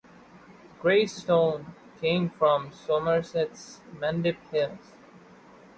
Grey stone came from Somerset's Mendip Hills.